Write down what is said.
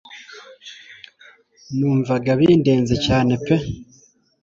Numvaga bindenze cyane pe